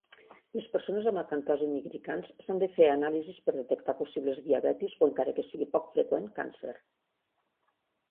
Les persones amb acantosi nigricans s'han de fer anàlisis per detectar possibles diabetis o, encara que sigui poc freqüent, càncer.